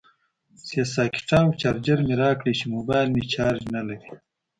سه ساکټه او چارجر مې راکړئ چې موبایل مې چارج نلري